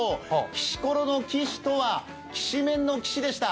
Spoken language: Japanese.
きしころのきしとはきしめんのきしでした。